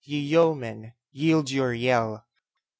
ye yeomen, yield your yell!